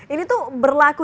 ini tuh berlaku